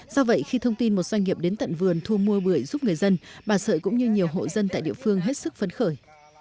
do vậy khi thông tin một doanh nghiệp đến tận vườn thu mua bưởi giúp người dân bà sợi cũng như nhiều hộ dân tại địa phương hết sức phấn khởi